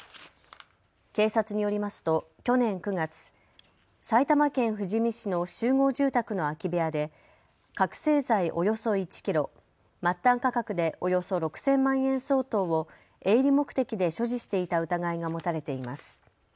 警察によりますと去年９月、埼玉県富士見市の集合住宅の空き部屋で覚醒剤およそ１キロ、末端価格でおよそ６０００万円相当を営利目的で所持していた疑いが持たれています。